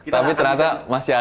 tapi ternyata masih ada